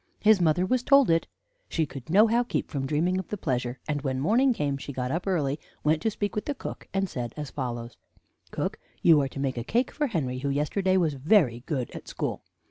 His mother was told it. She could nohow keep from dreaming of the pleasure; and when morning came, she got up early, went to speak with the cook and said as follows: "'Cook, you are to make a cake for Henry, who yesterday was very good at school.'